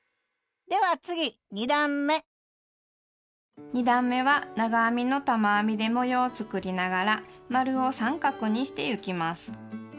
では次２段め２段めは長編みの玉編みで模様を作りながら円を三角にしてゆきます。